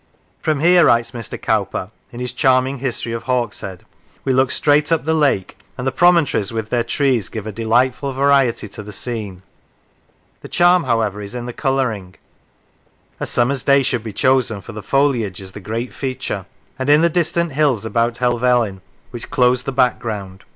" From here," writes Mr. Cowper, in his charming " History of Hawkshead," " we look straight up the lake, and the promontories, with their trees, give a delightful variety to the scene. The charm, however, is in the colouring (a summer's day should be chosen, for the foliage is the great feature), and in the distant hills about Helvellyn, which close the back ground.